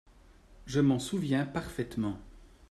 Je m’en souviens parfaitement.